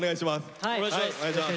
よろしくお願いします。